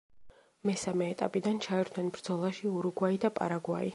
მესამე ეტაპიდან ჩაერთვნენ ბრძოლაში ურუგვაი და პარაგვაი.